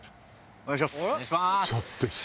お願いします！